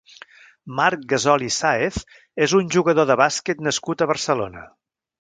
Marc Gasol i Sáez és un jugador de bàsquet nascut a Barcelona.